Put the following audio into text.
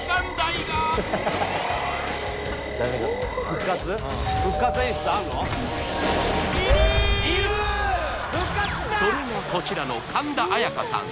いる復活したそれがこちらの神田彩花さん